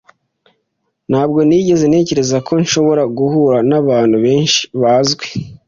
Ntabwo nigeze ntekereza ko nzashobora guhura nabantu benshi bazwi.